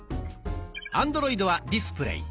アンドロイドは「ディスプレイ」。